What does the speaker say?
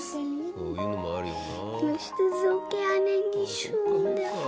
そういうのもあるよな。